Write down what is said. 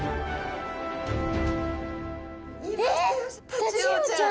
タチウオちゃん！